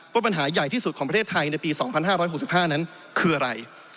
ปัญหาใหญ่ที่สุดของประเทศไทยในปี๒๕๖๕นั้นคืออะไร